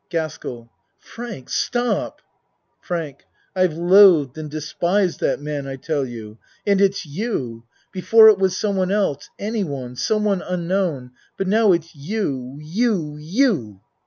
GASKELL Frank, stop! FRANK I've loathed and despised that man, I tell you and it's you. Before it was someone else any one some one unknown, but now it's you you you.